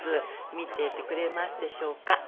見ていてくれますでしょうか？